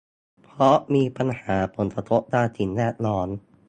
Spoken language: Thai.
เพราะมีปัญหาผลกระทบทางสิ่งแวดล้อม